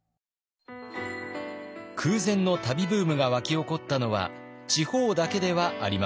空前の旅ブームが沸き起こったのは地方だけではありません。